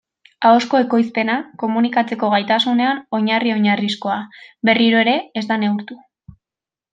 Ahozko ekoizpena, komunikatzeko gaitasunean oinarri-oinarrizkoa, berriro ere ez da neurtu.